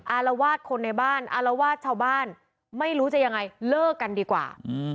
อารวาสคนในบ้านอารวาสชาวบ้านไม่รู้จะยังไงเลิกกันดีกว่า